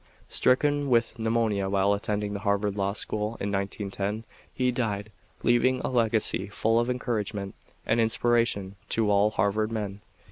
"Stricken with pneumonia while attending the Harvard Law School in 1910 he died, leaving a legacy full of encouragement and inspiration to all Harvard men.